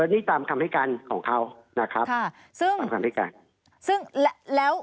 นี่ตามคำให้การของเขานะครับตามคำให้การ